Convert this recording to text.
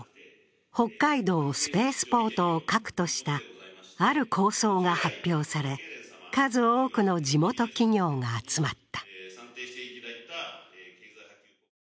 北海道スペースポートを核としたある構想が発表され、数多くの地元企業が集まった。